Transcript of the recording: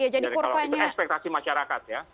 jadi kalau itu ekspektasi masyarakat ya